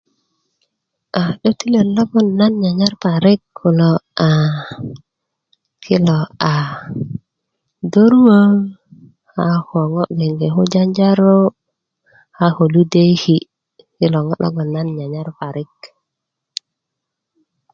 a 'dötilön logon nan nyanyar parik kulo a kilo a döruwö a ko ŋo gbeŋge ko janjaro a ko ludeyeki kilo ŋo' logon nan nyanyar parik